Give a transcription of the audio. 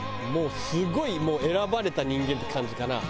すごいもう選ばれた人間って感じかな？